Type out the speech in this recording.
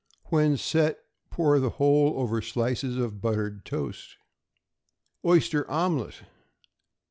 When set, pour the whole over slices of buttered toast. =Oyster Omelet.